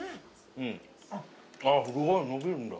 ◆あっ、すごい伸びるんだ。